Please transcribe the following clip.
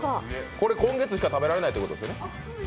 これ、今月しか食べられないってことですよね？